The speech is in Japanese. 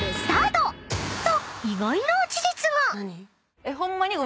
［と］